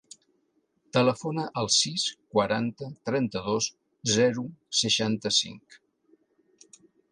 Telefona al sis, quaranta, trenta-dos, zero, seixanta-cinc.